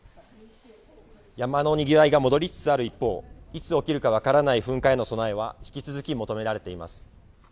山のにぎわいが戻りつつある一方、いつ起きるか分からない噴火への備えは引き続き求められています。